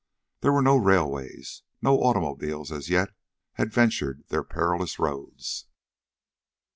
There were no railways. No automobile as yet had ventured their perilous roads.